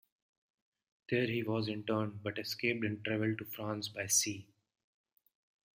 There he was interned, but escaped and travelled to France by sea.